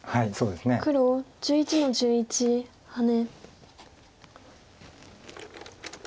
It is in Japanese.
黒１１の十一ハネ。